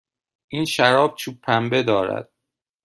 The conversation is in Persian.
این شراب چوب پنبه دارد.